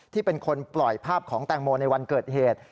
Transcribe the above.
ที่เป็นคนปล่อยภาพของแตงโมในวันเกิดเหตุ